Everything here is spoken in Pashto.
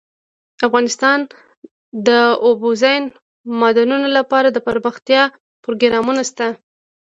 افغانستان کې د اوبزین معدنونه لپاره دپرمختیا پروګرامونه شته.